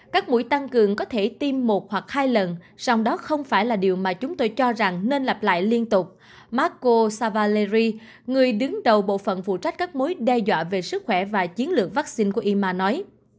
các mũi tăng cường có thể tiêm một hoặc hai lần song đó không phải là điều mà chúng tôi cho rằng nên lặp lại liên tục marco savaleri người đứng đầu bộ phận phụ trách các mối đe dọa về sức khỏe và chiến lược vaccine của ima nói